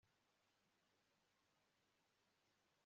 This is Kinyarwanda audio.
ku ngoma ye kandi hari abasizi b'abahanga